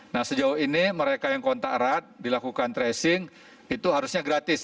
nah sejauh ini mereka yang kontak erat dilakukan tracing itu harusnya gratis